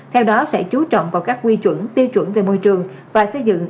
theo đó sẽ chú trọng vào các quy chuẩn tiêu chuẩn về môi trường và xây dựng